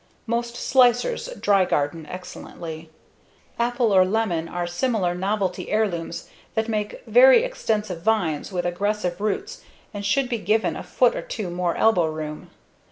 Most slicers dry garden excellently. Apple or Lemon are similar novelty heirlooms that make very extensive vines with aggressive roots and should be given a foot or two more elbow room.